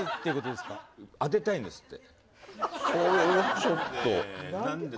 当てたいんですって。